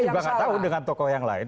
saya juga nggak tahu dengan tokoh yang lain